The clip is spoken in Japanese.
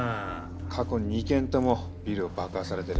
過去２件ともビルを爆破されてる。